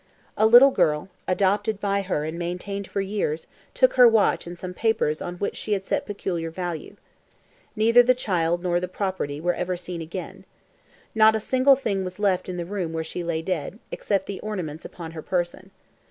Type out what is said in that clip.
A little girl, adopted by her and maintained for years, took her watch and some papers on which she had set peculiar value. Neither the child nor the property were ever seen again. Not a single thing was left in the room where she lay dead, except the ornaments upon her person.